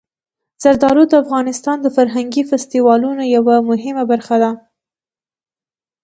زردالو د افغانستان د فرهنګي فستیوالونو یوه مهمه برخه ده.